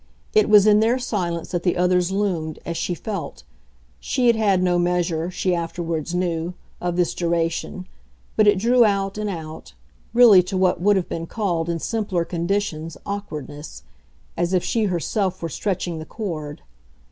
It was in their silence that the others loomed, as she felt; she had had no measure, she afterwards knew, of this duration, but it drew out and out really to what would have been called in simpler conditions awkwardness as if she herself were stretching the cord.